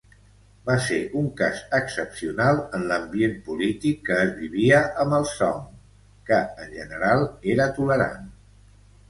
Va ser un cas excepcional en l'ambient polític que es vivia amb els Song, que, en general, era tolerant.